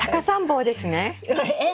えっ？